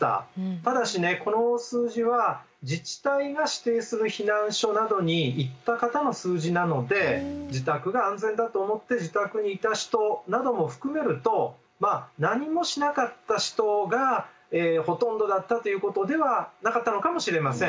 ただしねこの数字は自治体が指定する避難所などに行った方の数字なので自宅が安全だと思って自宅にいた人なども含めると何もしなかった人がほとんどだったということではなかったのかもしれません。